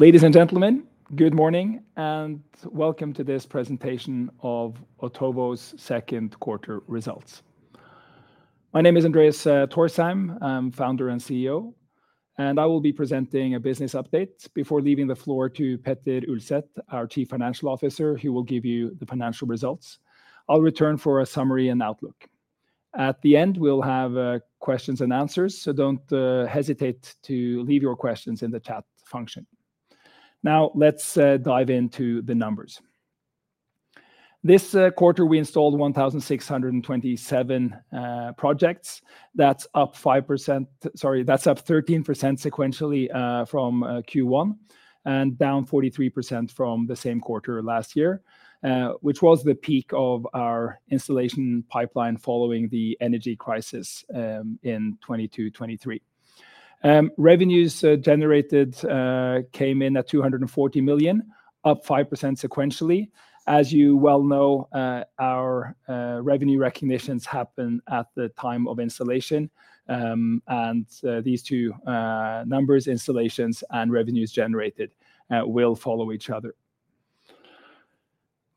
Ladies and gentlemen, good morning, and welcome to this presentation of Otovo's second quarter results. My name is Andreas Thorsheim. I'm Founder and CEO, and I will be presenting a business update before leaving the floor to Petter Ulset, our Chief Financial Officer, who will give you the financial results. I'll return for a summary and outlook. At the end, we'll have questions and answers, so don't hesitate to leave your questions in the chat function. Now, let's dive into the numbers. This quarter, we installed 1,627 projects. That's up 5%, sorry, that's up 13% sequentially from Q1, and down 43% from the same quarter last year, which was the peak of our installation pipeline following the energy crisis in 2022, 2023. Revenues generated came in at 240 million, up 5% sequentially. As you well know, our revenue recognitions happen at the time of installation, and these two numbers, installations and revenues generated, will follow each other.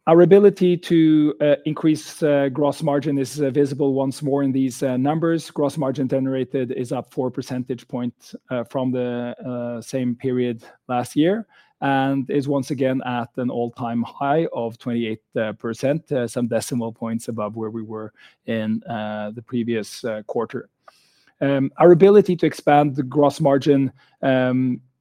Our ability to increase gross margin is visible once more in these numbers. Gross margin generated is up four percentage points from the same period last year, and is once again at an all-time high of 28%, some decimal points above where we were in the previous quarter. Our ability to expand the gross margin,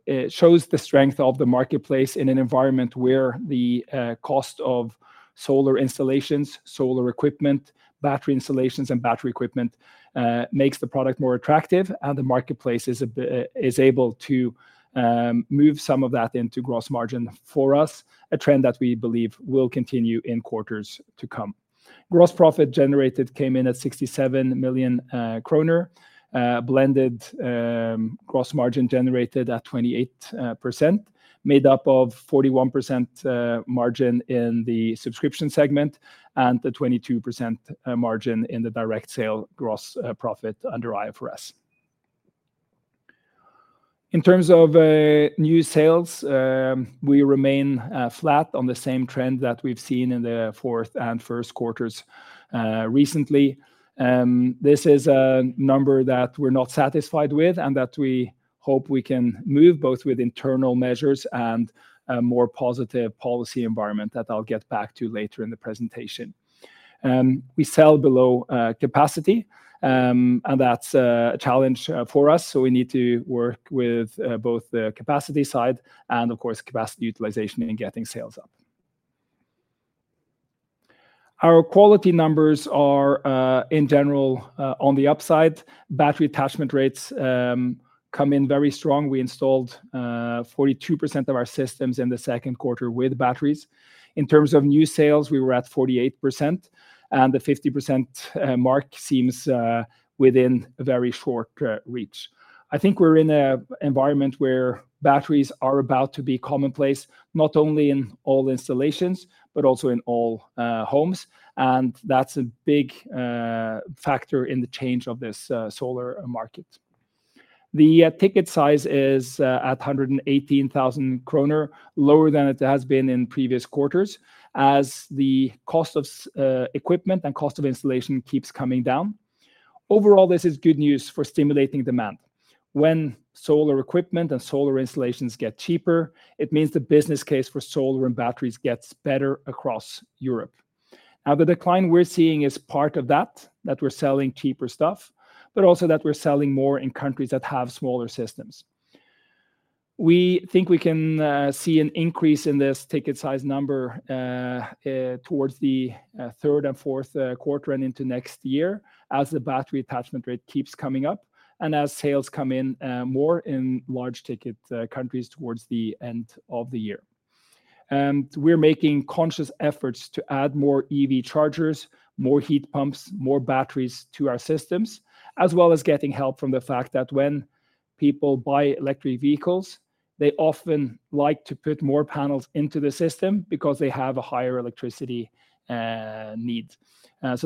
it shows the strength of the marketplace in an environment where the cost of solar installations, solar equipment, battery installations, and battery equipment makes the product more attractive and the marketplace is able to move some of that into gross margin for us, a trend that we believe will continue in quarters to come. Gross profit generated came in at 67 million kroner, blended gross margin generated at 28%, made up of 41% margin in the subscription segment and the 22% margin in the direct sale gross profit under IFRS. In terms of new sales, we remain flat on the same trend that we've seen in the fourth and first quarters recently. This is a number that we're not satisfied with, and that we hope we can move both with internal measures and a more positive policy environment that I'll get back to later in the presentation. We sell below capacity, and that's a challenge for us, so we need to work with both the capacity side and, of course, capacity utilization in getting sales up. Our quality numbers are, in general, on the upside. Battery attachment rates come in very strong. We installed 42% of our systems in the second quarter with batteries. In terms of new sales, we were at 48%, and the 50% mark seems within a very short reach. I think we're in an environment where batteries are about to be commonplace, not only in all installations, but also in all homes, and that's a big factor in the change of this solar market. The ticket size is at 118,000 kroner, lower than it has been in previous quarters, as the cost of solar equipment and cost of installation keeps coming down. Overall, this is good news for stimulating demand. When solar equipment and solar installations get cheaper, it means the business case for solar and batteries gets better across Europe. Now, the decline we're seeing is part of that we're selling cheaper stuff, but also that we're selling more in countries that have smaller systems. We think we can see an increase in this ticket size number towards the third and fourth quarter and into next year as the battery attachment rate keeps coming up and as sales come in more in large ticket countries towards the end of the year. We're making conscious efforts to add more EV chargers, more heat pumps, more batteries to our systems, as well as getting help from the fact that when people buy electric vehicles, they often like to put more panels into the system because they have a higher electricity need.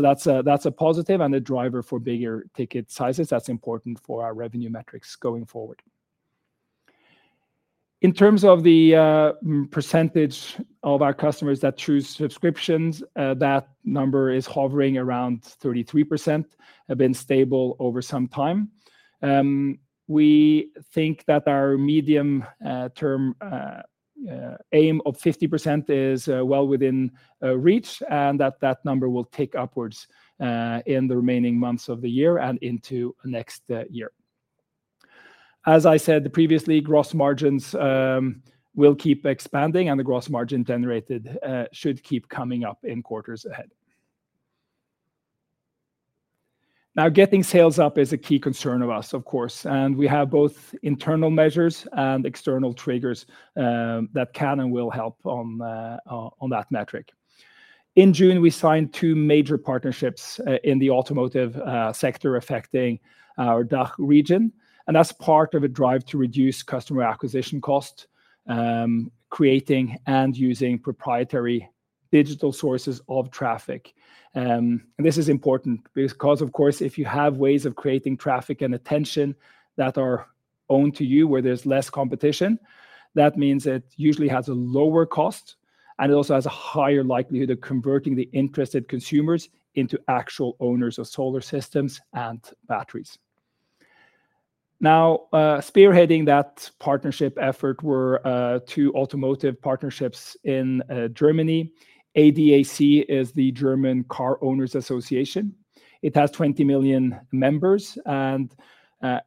That's a positive and a driver for bigger ticket sizes. That's important for our revenue metrics going forward. In terms of the percentage of our customers that choose subscriptions, that number is hovering around 33%, have been stable over some time. We think that our medium term aim of 50% is well within reach, and that number will tick upwards in the remaining months of the year and into next year. As I said, the previous gross margins will keep expanding and the gross margin generated should keep coming up in quarters ahead. Now, getting sales up is a key concern of us, of course, and we have both internal measures and external triggers that can and will help on that metric. In June, we signed two major partnerships in the automotive sector affecting our DACH region, and that's part of a drive to reduce customer acquisition cost, creating and using proprietary digital sources of traffic, and this is important because, of course, if you have ways of creating traffic and attention that are owned to you, where there's less competition, that means it usually has a lower cost, and it also has a higher likelihood of converting the interested consumers into actual owners of solar systems and batteries. Now, spearheading that partnership effort were two automotive partnerships in Germany. ADAC is the German Car Owners Association. It has 20 million members and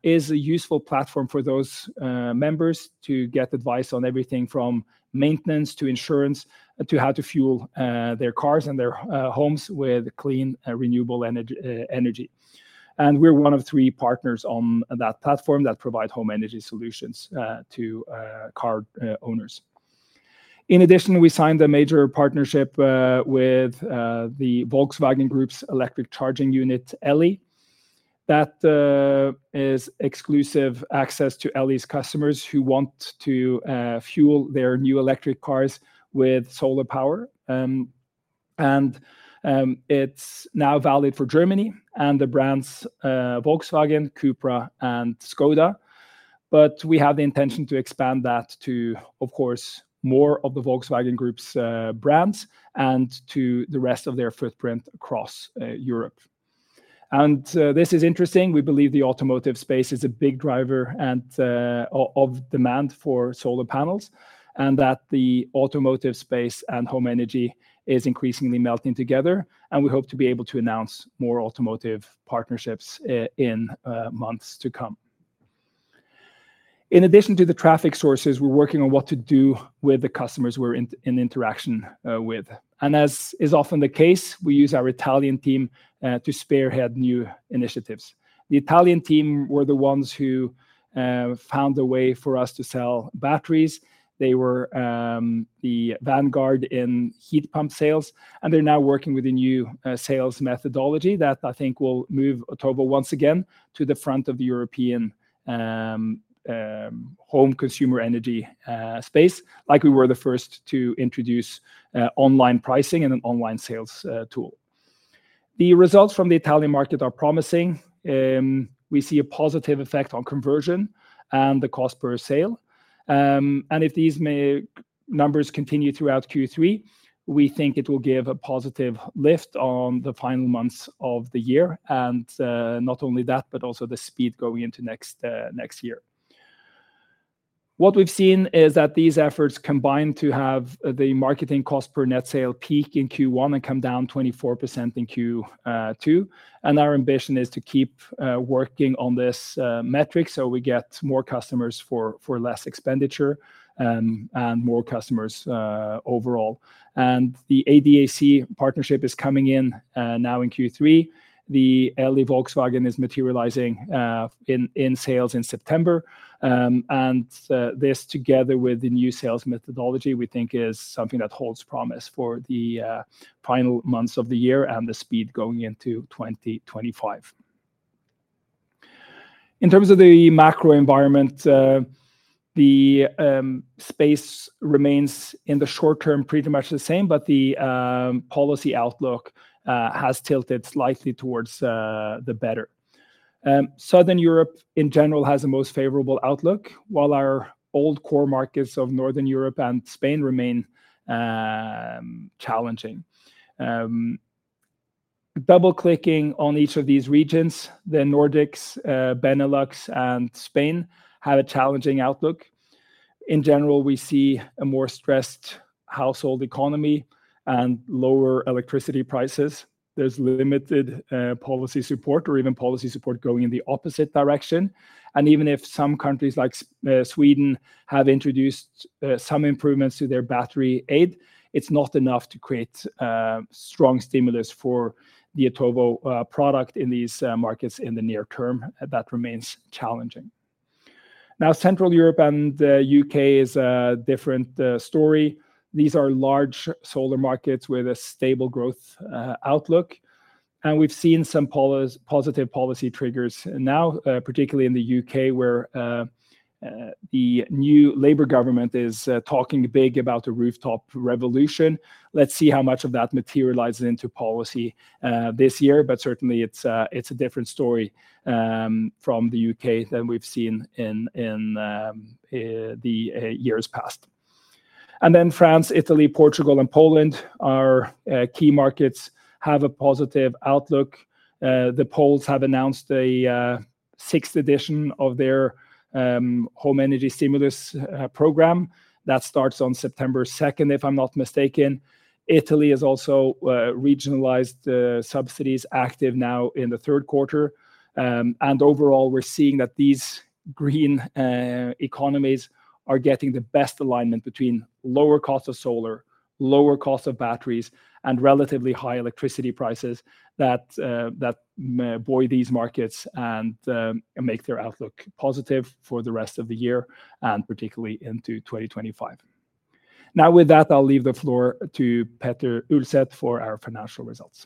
is a useful platform for those members to get advice on everything from maintenance to insurance, to how to fuel their cars and their homes with clean renewable energy. And we're one of three partners on that platform that provide home energy solutions to car owners. In addition, we signed a major partnership with the Volkswagen Group's electric charging unit, Elli. That is exclusive access to Elli's customers who want to fuel their new electric cars with solar power. And it's now valid for Germany and the brands Volkswagen, Cupra and Škoda. But we have the intention to expand that to, of course, more of the Volkswagen Group's brands and to the rest of their footprint across Europe. And this is interesting. We believe the automotive space is a big driver and of demand for solar panels, and that the automotive space and home energy is increasingly melting together, and we hope to be able to announce more automotive partnerships in months to come. In addition to the traffic sources, we're working on what to do with the customers we're in interaction with. And as is often the case, we use our Italian team to spearhead new initiatives. The Italian team were the ones who found a way for us to sell batteries. They were the vanguard in heat pump sales, and they're now working with a new sales methodology that I think will move Otovo once again to the front of the European home consumer energy space, like we were the first to introduce online pricing and an online sales tool. The results from the Italian market are promising. We see a positive effect on conversion and the cost per sale. And if these numbers continue throughout Q3, we think it will give a positive lift on the final months of the year, and not only that, but also the speed going into next year. What we've seen is that these efforts combine to have the marketing cost per net sale peak in Q1 and come down 24% in Q2, and our ambition is to keep working on this metric so we get more customers for less expenditure, and more customers overall. And the ADAC partnership is coming in now in Q3. The Elli Volkswagen is materializing in sales in September. And this, together with the new sales methodology, we think is something that holds promise for the final months of the year and the speed going into 2025. In terms of the macro environment, the space remains, in the short term, pretty much the same, but the policy outlook has tilted slightly towards the better. Southern Europe in general has the most favorable outlook, while our old core markets of Northern Europe and Spain remain challenging. Double-clicking on each of these regions, the Nordics, Benelux and Spain have a challenging outlook. In general, we see a more stressed household economy and lower electricity prices. There's limited policy support or even policy support going in the opposite direction. And even if some countries, like Sweden, have introduced some improvements to their battery aid, it's not enough to create strong stimulus for the Otovo product in these markets in the near term. That remains challenging. Now, Central Europe and the U.K. is a different story. These are large solar markets with a stable growth outlook, and we've seen some positive policy triggers now, particularly in the U.K., where the new Labour government is talking big about a rooftop revolution. Let's see how much of that materializes into policy this year. But certainly, it's a different story from the U.K. than we've seen in the years past. And then France, Italy, Portugal and Poland are key markets, have a positive outlook. The Poles have announced a sixth edition of their home energy stimulus program. That starts on September second, if I'm not mistaken. Italy is also regionalized subsidies active now in the third quarter. And overall, we're seeing that these green economies are getting the best alignment between lower cost of solar, lower cost of batteries, and relatively high electricity prices that buoy these markets and make their outlook positive for the rest of the year, and particularly into 2025. Now, with that, I'll leave the floor to Petter Ulset for our financial results.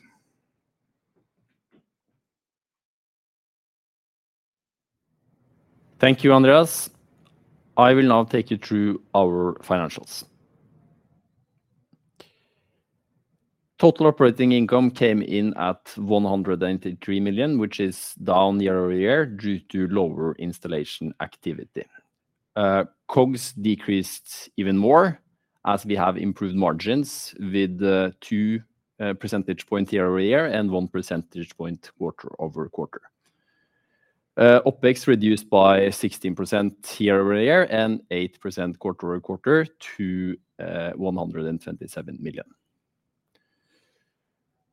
Thank you, Andreas. I will now take you through our financials. Total operating income came in at 183 million, which is down year over year due to lower installation activity. COGS decreased even more as we have improved margins with two percentage point year over year and one percentage point quarter over quarter. OpEx reduced by 16% year over year and 8% quarter over quarter to 177 million.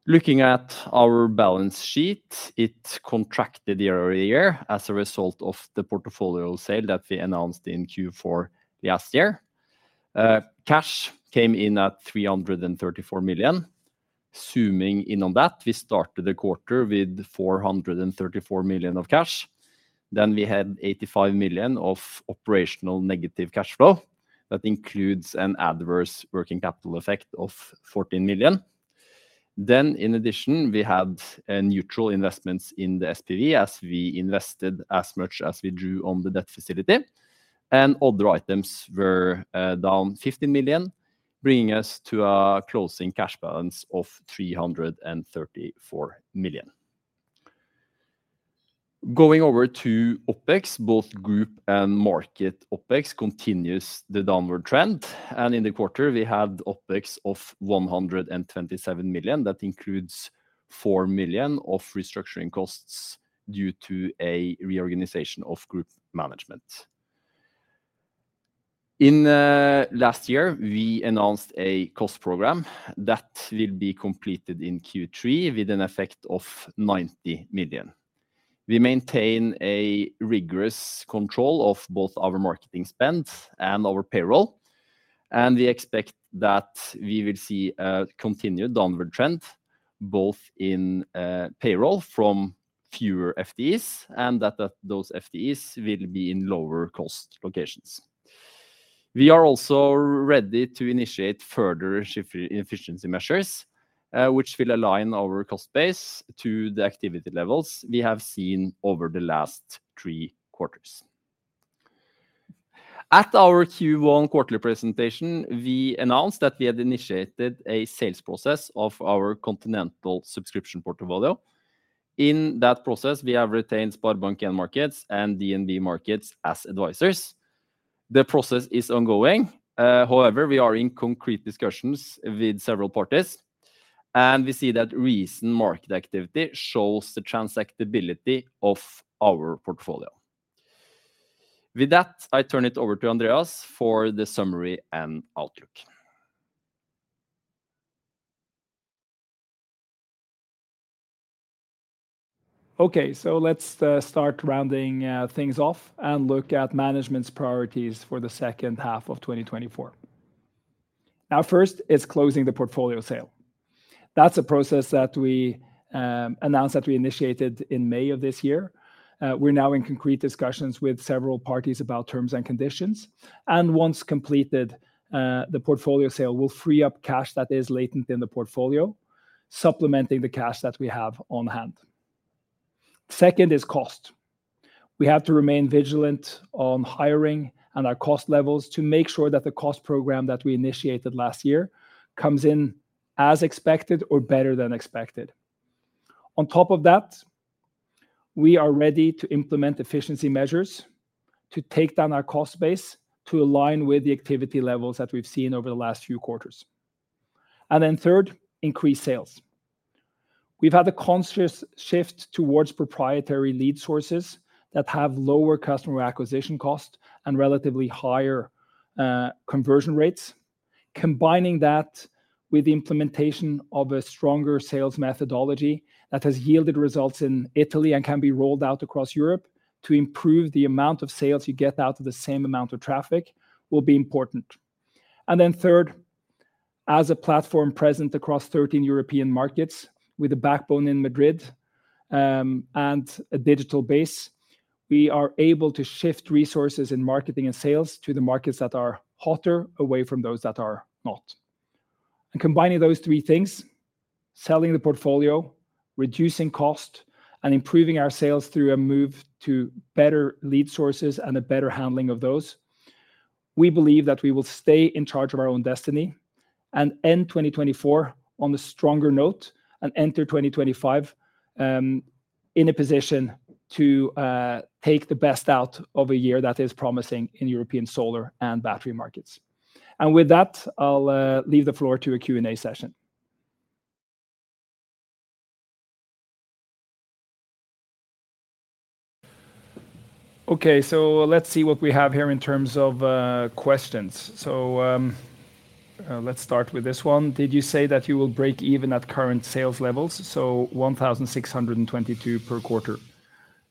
Looking at our balance sheet, it contracted year over year as a result of the portfolio sale that we announced in Q4 last year. Cash came in at 334 million. Zooming in on that, we started the quarter with 434 million of cash. Then we had 85 million of operational negative cash flow. That includes an adverse working capital effect of 14 million. Then in addition, we had neutral investments in the SPV, as we invested as much as we drew on the debt facility, and other items were down 50 million, bringing us to a closing cash balance of 334 million. Going over to OpEx, both group and market OpEx continues the downward trend, and in the quarter we had OpEx of 127 million. That includes 4 million of restructuring costs due to a reorganization of group management. In last year, we announced a cost program that will be completed in Q3 with an effect of 90 million. We maintain a rigorous control of both our marketing spend and our payroll, and we expect that we will see a continued downward trend, both in payroll from fewer FTEs, and that those FTEs will be in lower cost locations. We are also ready to initiate further cost efficiency measures, which will align our cost base to the activity levels we have seen over the last three quarters. At our Q1 quarterly presentation, we announced that we had initiated a sales process of our continental subscription portfolio. In that process, we have retained SpareBank 1 Markets and DNB Markets as advisors. The process is ongoing. However, we are in concrete discussions with several parties, and we see that recent market activity shows the transactability of our portfolio. With that, I turn it over to Andreas for the summary and outlook. Okay, so let's start rounding things off and look at management's priorities for the second half of 2024. Now, first, it's closing the portfolio sale. That's a process that we announced that we initiated in May of this year. We're now in concrete discussions with several parties about terms and conditions, and once completed, the portfolio sale will free up cash that is latent in the portfolio, supplementing the cash that we have on hand. Second is cost. We have to remain vigilant on hiring and our cost levels to make sure that the cost program that we initiated last year comes in as expected or better than expected. On top of that, we are ready to implement efficiency measures to take down our cost base to align with the activity levels that we've seen over the last few quarters. Third, increase sales. We've had a conscious shift towards proprietary lead sources that have lower customer acquisition cost and relatively higher conversion rates. Combining that with the implementation of a stronger sales methodology that has yielded results in Italy and can be rolled out across Europe to improve the amount of sales you get out of the same amount of traffic, will be important. Third, as a platform present across 13 European markets, with a backbone in Madrid, and a digital base, we are able to shift resources in marketing and sales to the markets that are hotter, away from those that are not. And combining those three things, selling the portfolio, reducing cost, and improving our sales through a move to better lead sources and a better handling of those, we believe that we will stay in charge of our own destiny and end 2024 on a stronger note, and enter 2025 in a position to take the best out of a year that is promising in European solar and battery markets. And with that, I'll leave the floor to a Q&A session. Okay, so let's see what we have here in terms of questions. So, let's start with this one. Did you say that you will break even at current sales levels, so 1,622 per quarter?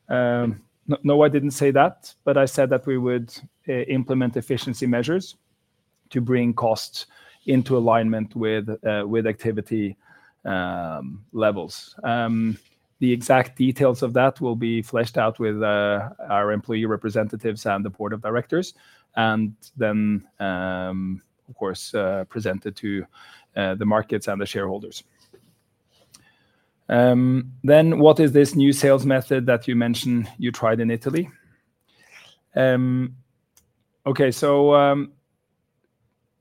No, no, I didn't say that, but I said that we would implement efficiency measures to bring costs into alignment with activity levels. The exact details of that will be fleshed out with our employee representatives and the board of directors, and then, of course, presented to the markets and the shareholders. What is this new sales method that you mentioned you tried in Italy? Okay, so,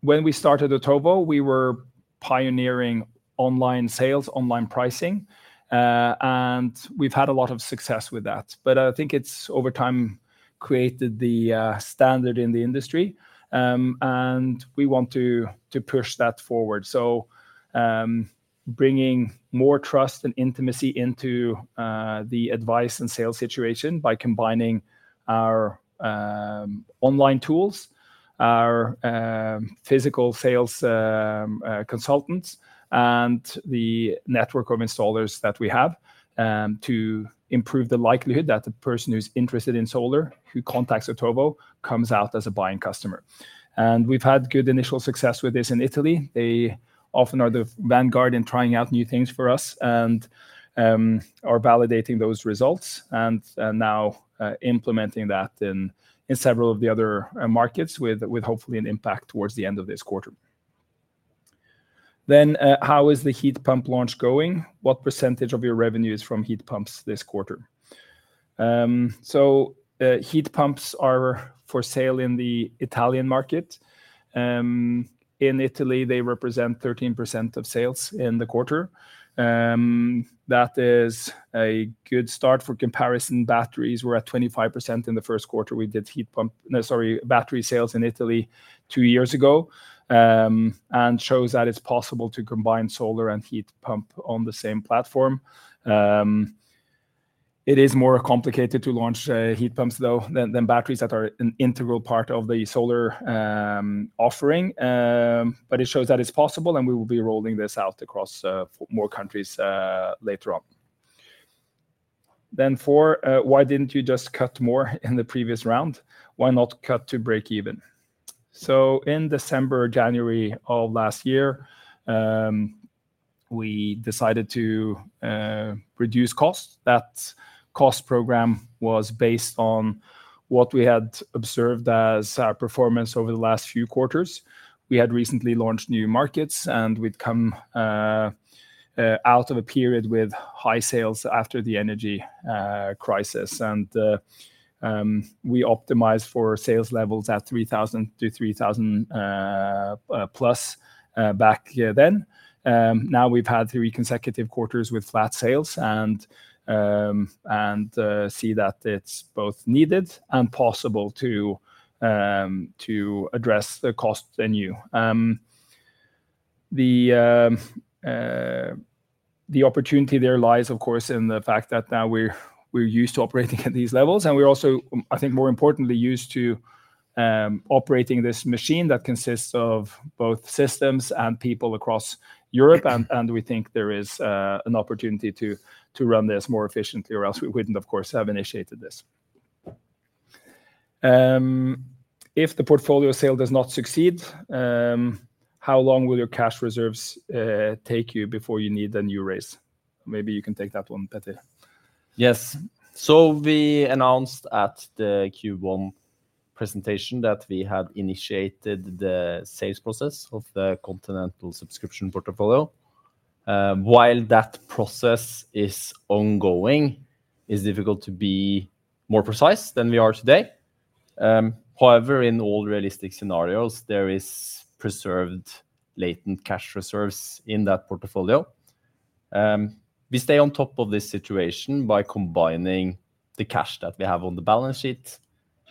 when we started Otovo, we were pioneering online sales, online pricing, and we've had a lot of success with that. But I think it's, over time, created the standard in the industry, and we want to push that forward. So, bringing more trust and intimacy into the advice and sales situation by combining our online tools, our physical sales consultants, and the network of installers that we have to improve the likelihood that the person who's interested in solar, who contacts Otovo, comes out as a buying customer. And we've had good initial success with this in Italy. They often are the vanguard in trying out new things for us, and are validating those results, and now implementing that in several of the other markets, with hopefully an impact towards the end of this quarter. Then, how is the heat pump launch going? What percentage of your revenue is from heat pumps this quarter? So, heat pumps are for sale in the Italian market. In Italy, they represent 13% of sales in the quarter. That is a good start. For comparison, batteries were at 25% in the first quarter. We did heat pump... No, sorry, battery sales in Italy two years ago. And shows that it's possible to combine solar and heat pump on the same platform. It is more complicated to launch heat pumps, though, than batteries that are an integral part of the solar offering. But it shows that it's possible, and we will be rolling this out across more countries later on. Then four, why didn't you just cut more in the previous round? Why not cut to break even? So in December, January of last year, we decided to reduce costs. That cost program was based on what we had observed as our performance over the last few quarters. We had recently launched new markets, and we'd come out of a period with high sales after the energy crisis, and we optimized for sales levels at 3,000 to 3,000+ back then. Now we've had three consecutive quarters with flat sales and see that it's both needed and possible to address the cost base. The opportunity there lies, of course, in the fact that now we're used to operating at these levels, and we're also, I think, more importantly, used to operating this machine that consists of both systems and people across Europe. We think there is an opportunity to run this more efficiently, or else we wouldn't, of course, have initiated this. If the portfolio sale does not succeed, how long will your cash reserves take you before you need a new raise? Maybe you can take that one, Petter. Yes. So we announced at the Q1 presentation that we had initiated the sales process of the continental subscription portfolio. While that process is ongoing, it's difficult to be more precise than we are today. However, in all realistic scenarios, there is preserved latent cash reserves in that portfolio. We stay on top of this situation by combining the cash that we have on the balance sheet,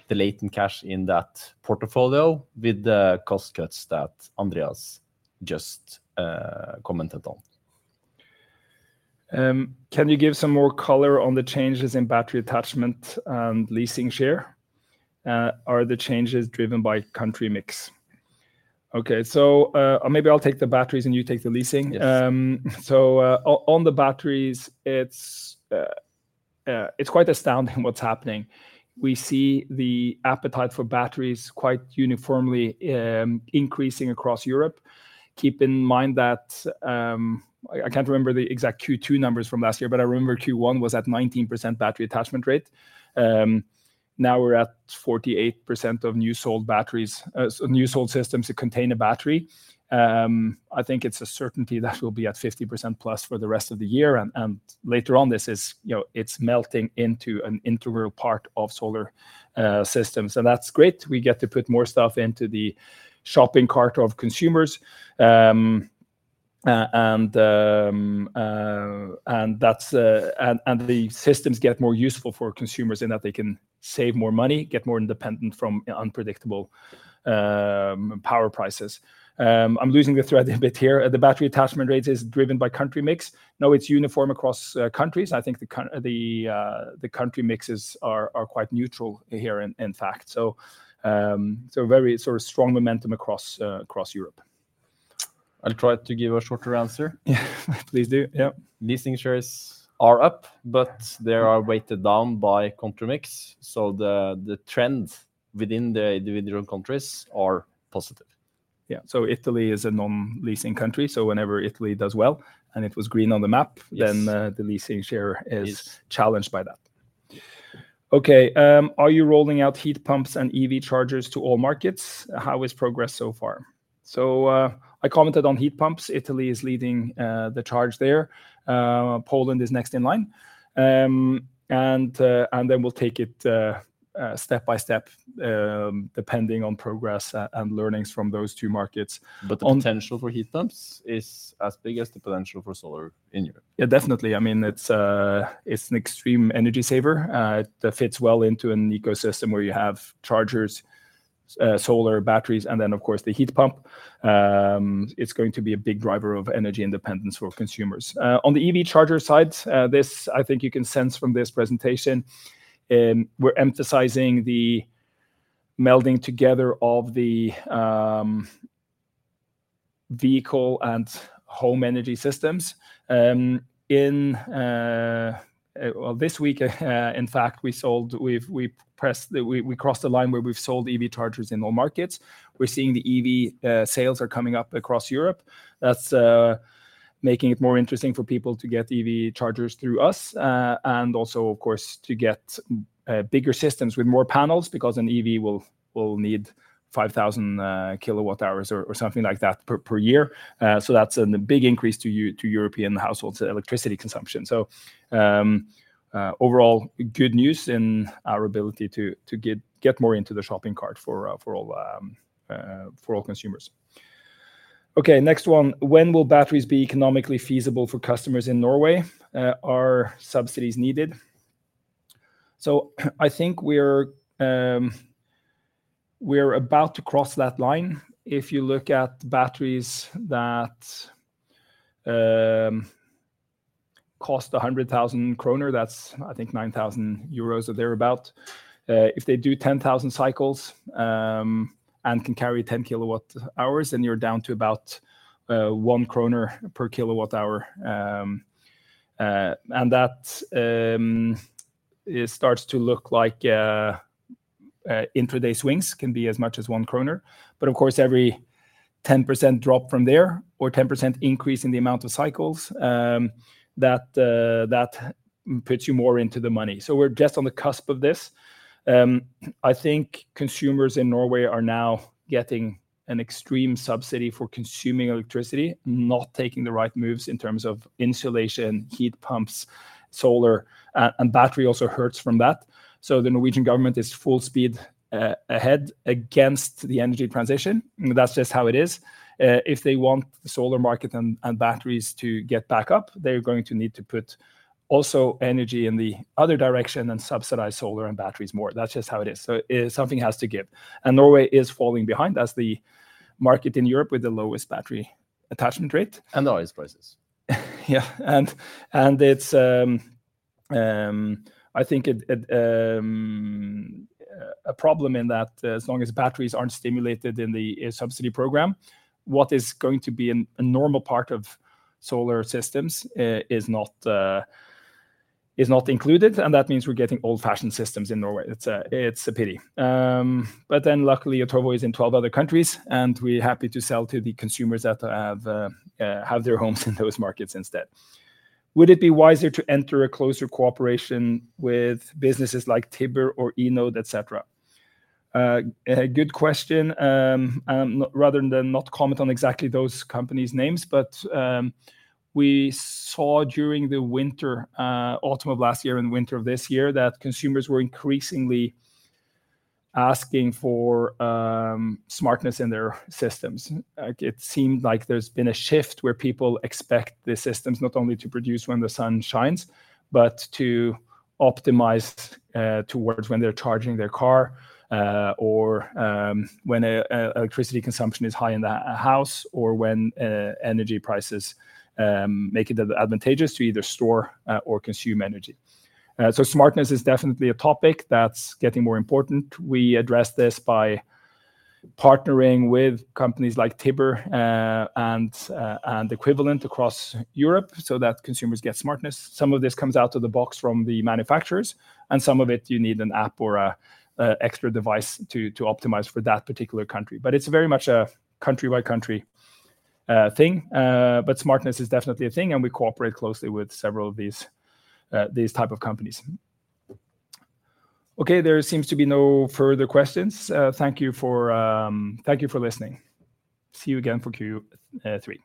the latent cash in that portfolio, with the cost cuts that Andreas just commented on. Can you give some more color on the changes in battery attachment and leasing share? Are the changes driven by country mix? Okay, so, maybe I'll take the batteries, and you take the leasing. So, on the batteries, it's quite astounding what's happening. We see the appetite for batteries quite uniformly increasing across Europe. Keep in mind that... I can't remember the exact Q2 numbers from last year, but I remember Q1 was at 19% battery attachment rate. Now we're at 48% of new sold systems that contain a battery. I think it's a certainty that we'll be at 50% plus for the rest of the year, and later on, this is- you know, it's melting into an integral part of solar systems. So that's great. We get to put more stuff into the shopping cart of consumers. And that's... The systems get more useful for consumers in that they can save more money, get more independent from unpredictable power prices. I'm losing the thread a bit here. The battery attachment rates is driven by country mix. No, it's uniform across countries. I think the country mixes are quite neutral here, in fact. So very sort of strong momentum across Europe. I'll try to give a shorter answer. Yeah, please do. Yeah. Leasing shares are up, but they are weighted down by country mix, so the trends within the individual countries are positive. Yeah, so Italy is a non-leasing country, so whenever Italy does well, and it was green on the map-then, the leasing share is challenged by that.... Okay, are you rolling out heat pumps and EV chargers to all markets? How is progress so far? So, I commented on heat pumps. Italy is leading the charge there. Poland is next in line. And then we'll take it step by step, depending on progress and learnings from those two markets. But on- But the potential for heat pumps is as big as the potential for solar in Europe? Yeah, definitely. I mean, it's an extreme energy saver that fits well into an ecosystem where you have chargers, solar batteries, and then, of course, the heat pump. It's going to be a big driver of energy independence for consumers. On the EV charger side, this, I think you can sense from this presentation, we're emphasizing the melding together of the vehicle and home energy systems. Well, this week, in fact, we crossed the line where we've sold EV chargers in all markets. We're seeing the EV sales are coming up across Europe. That's making it more interesting for people to get EV chargers through us, and also, of course, to get bigger systems with more panels because an EV will need 5,000 kilowatt hours or something like that per year. That's a big increase to European households' electricity consumption. Overall, good news in our ability to get more into the shopping cart for all consumers. Okay, next one: When will batteries be economically feasible for customers in Norway? Are subsidies needed? I think we're about to cross that line. If you look at batteries that cost 100,000 kroner, that's, I think, 9,000 euros or thereabout. If they do 10,000 cycles, and can carry 10 kilowatt hours, then you're down to about 1 kroner per kilowatt hour. And that it starts to look like intraday swings can be as much as 1 kroner. But of course, every 10% drop from there or 10% increase in the amount of cycles, that puts you more into the money. So we're just on the cusp of this. I think consumers in Norway are now getting an extreme subsidy for consuming electricity, not taking the right moves in terms of insulation, heat pumps, solar, and battery also hurts from that. So the Norwegian government is full speed ahead against the energy transition, and that's just how it is. If they want the solar market and batteries to get back up, they're going to need to put also energy in the other direction and subsidize solar and batteries more. That's just how it is, so something has to give, and Norway is falling behind. That's the market in Europe with the lowest battery attachment rate. And the highest prices. Yeah, and it's a problem in that as long as batteries aren't stimulated in the subsidy program, what is going to be a normal part of solar systems is not included, and that means we're getting old-fashioned systems in Norway. It's a pity, but then luckily, Otovo is in 12 other countries, and we're happy to sell to the consumers that have their homes in those markets instead. Would it be wiser to enter a closer cooperation with businesses like Tibber or Enode, et cetera? A good question. Rather than not comment on exactly those companies' names, but we saw during the winter, autumn of last year and winter of this year, that consumers were increasingly asking for smartness in their systems. It seemed like there's been a shift where people expect the systems not only to produce when the sun shines, but to optimize towards when they're charging their car, or when electricity consumption is high in the house, or when energy prices make it advantageous to either store or consume energy. So smartness is definitely a topic that's getting more important. We address this by partnering with companies like Tibber and equivalent across Europe, so that consumers get smartness. Some of this comes out of the box from the manufacturers, and some of it you need an app or an extra device to optimize for that particular country. But it's very much a country-by-country thing. But smartness is definitely a thing, and we cooperate closely with several of these type of companies. Okay, there seems to be no further questions. Thank you for listening. See you again for Q3.